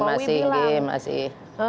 iya masih masih